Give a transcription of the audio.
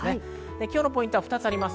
今日のポイントは２つです。